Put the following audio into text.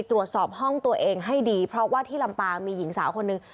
ตรวจสอบห้องตัวเองให้ดีเพราะว่าที่ลำปางมีหญิงสาวคนหนึ่ง